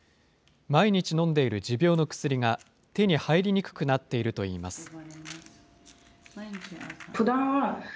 毎日飲んでいる持病の薬が手に入りにくくなっているといいます。